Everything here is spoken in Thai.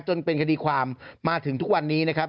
จนเป็นคดีความมาถึงทุกวันนี้นะครับ